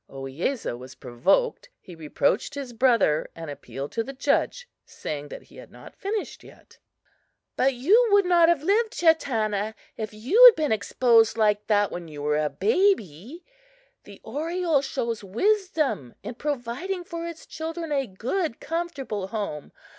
Ohiyesa was provoked; he reproached his brother and appealed to the judge, saying that he had not finished yet. "But you would not have lived, Chatanna, if you had been exposed like that when you were a baby! The oriole shows wisdom in providing for its children a good, comfortable home!